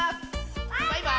バイバーイ！